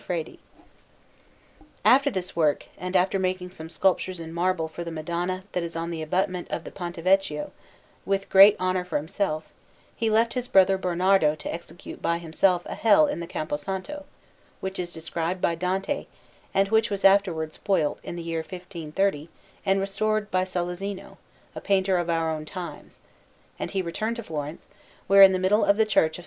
Fresco_)] After this work, and after making some sculptures in marble for the Madonna that is on the abutment of the Ponte Vecchio, with great honour for himself, he left his brother Bernardo to execute by himself a Hell in the Campo Santo, which is described by Dante, and which was afterwards spoilt in the year 1530 and restored by Sollazzino, a painter of our own times; and he returned to Florence, where, in the middle of the Church of S.